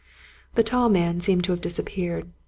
The tall man seemed to have disappeared.